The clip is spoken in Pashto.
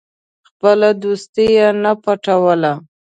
خپله دوستي یې نه پټوله.